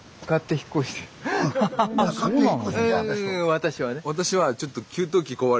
私はね。